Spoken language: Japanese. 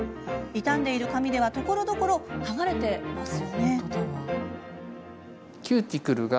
傷んでいる髪ではところどころ、剥がれています。